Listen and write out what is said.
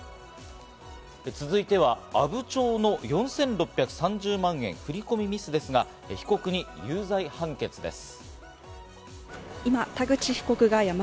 続いては阿武町の４６３０万円振り込みミスですが、被告に有罪判決です。